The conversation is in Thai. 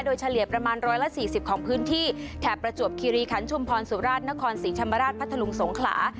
โดยเฉลี่ยประมาณร้อยละสี่สิบของพื้นที่แถบประจวบคิรีขันชุมพรสุราชนครสีชำระราชพัฒลุงสงขลา